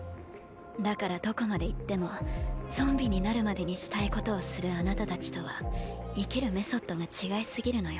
だからどこまで行ってもゾンビになるまでにしたいことをするあなたたちとは生きるメソッドが違いすぎるのよ。